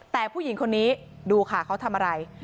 แต่ผู้หญิงคนนี้ดูค่ะเขาทำอะไร